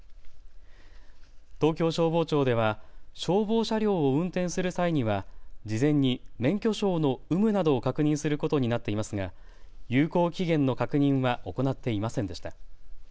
東京消防庁では消防車両を運転する際には事前に免許証の有無などを確認することになっていますが有効期限の確認は行っていませんでした。